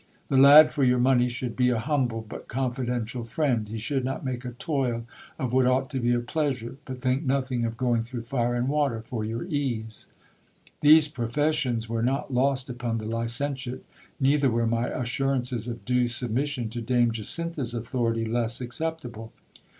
The lad for your money should be a humble, but confidential friend ; he should not make a toil of what ought to be a pleasure, but think nothing of going through fire and water for your ease. These professions were not lost upon the licentiate. Neither were my assurances of due submission to Dame Jacintha's authority less acceptable.